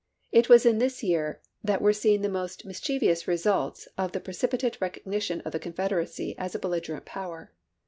It was in this year that were seen the most mischiev ous results of the precipitate recognition of the Confederacy as a belligerent power.